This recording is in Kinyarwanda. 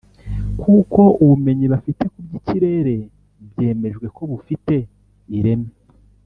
kuko ubumenyi bafite ku by’ikirere byemejwe ko bufite ireme